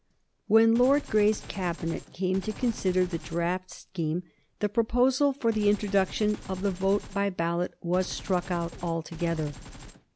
When Lord Grey's Cabinet came to consider the draft scheme the proposal for the introduction of the vote by ballot was struck out altogether.